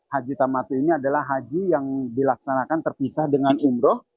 haji tamatu ini adalah haji yang dilaksanakan terpisah dengan umroh